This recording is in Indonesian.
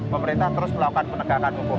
pemerintah terus melakukan penegakan hukum